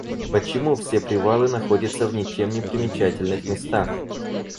Почему все привалы находятся в ничем непримечательных местах?